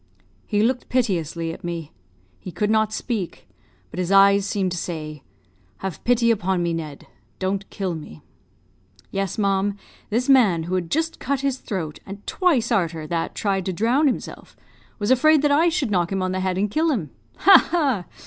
He looked piteously at me; he could not speak, but his eyes seemed to say, 'Have pity upon me, Ned; don't kill me.' "Yes, ma'am; this man, who had just cut his throat, and twice arter that tried to drown himself, was afraid that I should knock him on the head and kill him. Ha! ha!